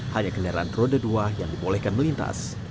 hanya keliaran roda dua yang dimulihkan melintas